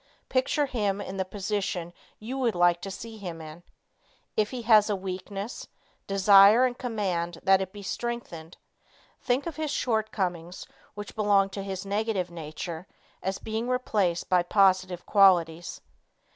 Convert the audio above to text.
Picture him in the position you would like to see him in. If he has a weakness, desire and command that it be strengthened; think of his shortcomings which belong to his negative nature as being replaced by positive qualities.